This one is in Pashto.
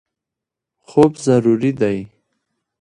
خوب ضروري دی.